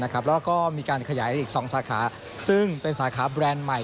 แล้วก็มีการขยายอีก๒สาขาซึ่งเป็นสาขาแบรนด์ใหม่